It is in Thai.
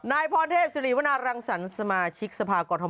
นายพรเทพศิริวนารังสรรค์สมาชิกสภากรทม